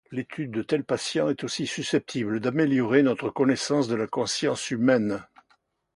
L'étude de tels patients est aussi susceptible d’améliorer notre connaissance de la conscience humaine.